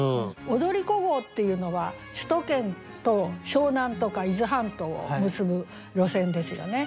踊り子号っていうのは首都圏と湘南とか伊豆半島を結ぶ路線ですよね。